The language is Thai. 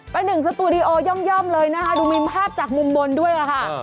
เป็นหนึ่งสตูดิโอย่อมเลยนะคะดูมีภาพจากมุมบนด้วยค่ะ